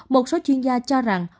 một số chuyên gia cho rằng